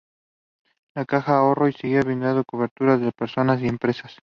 La Caja de Ahorro y Seguros brinda coberturas para personas y empresas.